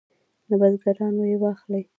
له بزګرانو یې واخلي.